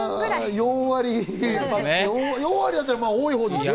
４割だったら多いほうですよ。